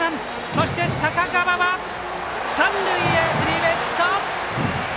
そして坂川は三塁へスリーベースヒット！